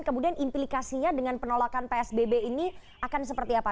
kemudian implikasinya dengan penolakan psbb ini akan seperti apa